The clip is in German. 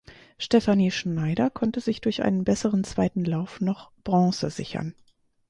Stephanie Schneider konnte sich durch einen besseren zweiten Lauf noch Bronze sichern.